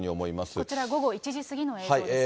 こちら午後１時過ぎの映像ですね。